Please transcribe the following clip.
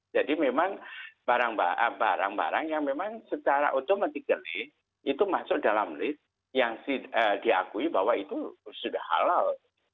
jadi memang barang barang yang memang secara otomatis geli itu masuk dalam list yang diakui bahwa itu sudah halal